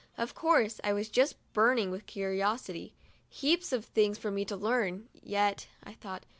Of course, I was just burning with curiosity. 'Heaps of things for me to learn yet," I thought.